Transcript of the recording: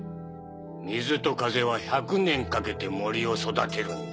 水と風は百年かけて森を育てるんじゃ。